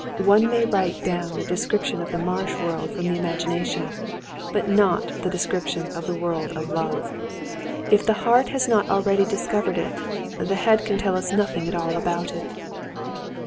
One may write down a description of the marsh world from the imagination, but not a description of the world of love. If the heart has not already discovered it, the head can tell us nothing at all about it.